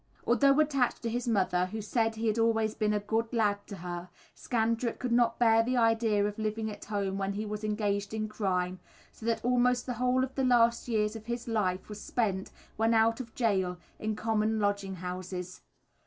Although attached to his mother, who said he had always been "a good lad" to her, Scandrett could not bear the idea of living at home when he was engaged in crime, so that almost the whole of the last eight years of his life was spent, when out of gaol, in common lodging houses.